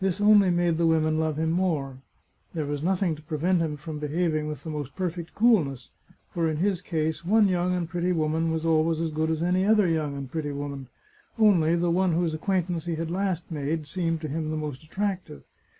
This only made the women love him more. There was nothing to prevent him from behaving with the most perfect coolness, for in his case one young and pretty woman was always as good as any other young and pretty woman ; only the one whose acquaintance he had last made seemed to him the most at 136 The Chartreuse of Parma tractive.